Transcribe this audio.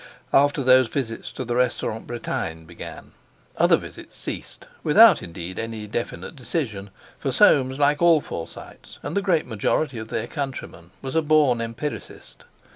After those visits to the Restaurant Bretagne began, other visits ceased—without, indeed, any definite decision, for Soames, like all Forsytes, and the great majority of their countrymen, was a born empiricist.